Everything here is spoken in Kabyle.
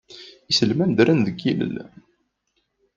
Iselman ddren deg yilel.